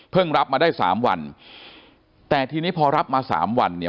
เพิ่งรับมาได้๓วันแต่ทีนี้พอรับมา๓วันเนี่ย